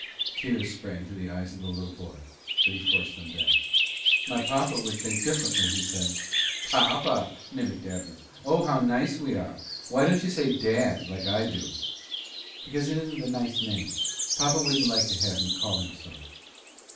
Tears sprang to the eyes of the little boy, but he forced them back. "My papa would think differently," he said. "Papa!" mimicked Abner. "Oh, how nice we are! Why don't you say dad, like I do?" "Because it isn't a nice name. Papa wouldn't like to have me call him so."